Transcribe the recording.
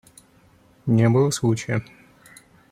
Не было случая.